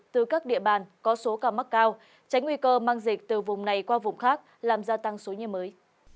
từ các địa bàn có số ca mắc cao tránh nguy cơ mang dịch từ vùng này qua vùng khác làm gia tăng số nhà mới